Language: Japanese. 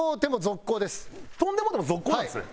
飛んでもうても続行なんですね。